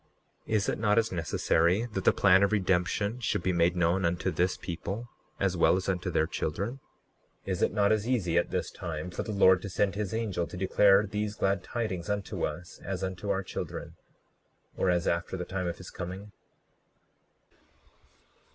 39:18 Is it not as necessary that the plan of redemption should be made known unto this people as well as unto their children? 39:19 Is it not as easy at this time for the Lord to send his angel to declare these glad tidings unto us as unto our children, or as after the time of his coming?